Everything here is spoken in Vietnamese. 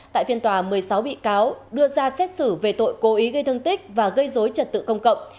tại phiên tòa một mươi sáu bị cáo đưa ra xét xử về tội cố ý gây thương tích và gây dối trật tự công cộng